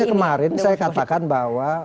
kemarin saya katakan bahwa